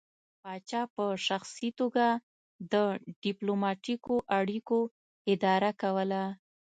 پاچا په شخصي توګه د ډیپلوماتیکو اړیکو اداره کوله